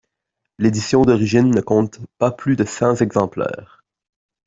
L'édition d'origine ne compte pas plus de cents exemplaires.